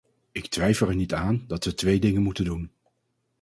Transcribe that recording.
Ik twijfel er niet aan dat we twee dingen moeten doen.